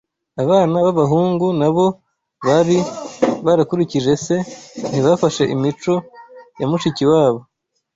Abana babahungu nabo bari barakurikije se ntibafashe imico yamushiki wa bo